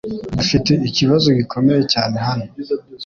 Dufite ikibazo gikomeye cyane hano.